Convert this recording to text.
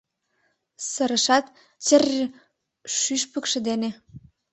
Сырышат, тьр-р-р — шӱшпыкшӧ дене.